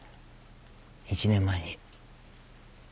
１年前に。